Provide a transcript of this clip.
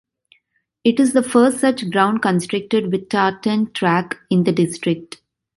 It is the first such ground constructed with tartan track in the district.